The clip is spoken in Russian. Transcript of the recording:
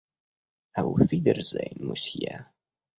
Ауфидерзейн, мусье.